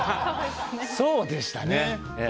そうでしたね。